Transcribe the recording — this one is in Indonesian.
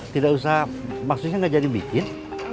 tidak usah maksudnya nggak jadi bikin